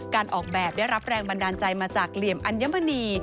การออกแบบได้รับแรงบันดาลใจมาจากเหลี่ยมอัญมณี